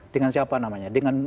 dengan siapa namanya dengan